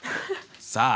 さあ